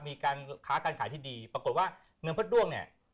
มีการค้าการขายที่ดีปรากฏว่าเงินสดด้วงเนี่ย